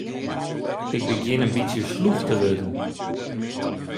Ik begjin in bytsje slûch te wurden.